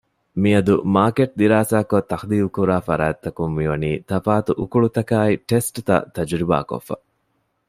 މިއަދު މާރކެޓް ދިރާސާކޮށް ތަޙްލީލުކުރާ ފަރާތްތަކުން މިވަނީ ތަފާތު އުކުޅުތަކާއި ޓެސްޓްތައް ތަޖުރިބާކޮށްފަ